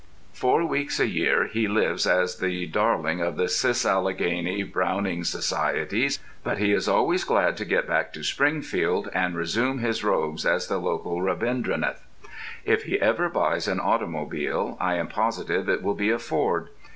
Four weeks a year he lives as the darling of the cisalleghany Browning Societies, but he is always glad to get back to Springfield and resume his robes as the local Rabindranath. If he ever buys an automobile I am positive it will be a Ford.